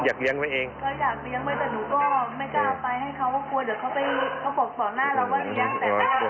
ก็อยากเลี้ยงไว้แต่หนูก็ไม่กล้าไปให้เขาก็กลัวเดี๋ยวเขาบอกพอต่อหน้าเราว่าเลี้ยงแต่ไม่กลัว